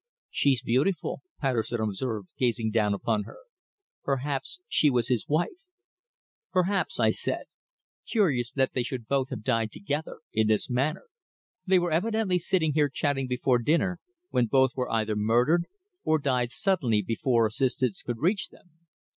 "She's beautiful," Patterson observed, gazing down upon her. "Perhaps she was his wife." "Perhaps," I said. "Curious that they should have both died together in this manner." "They were evidently sitting here chatting before dinner, when both were either murdered, or died suddenly before assistance could reach them.